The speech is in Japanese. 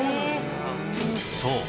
そう！